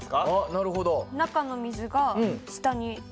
なるほど。